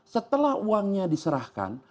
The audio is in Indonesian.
setelah uangnya diserahkan